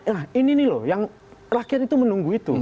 nah ini nih loh yang rakyat itu menunggu itu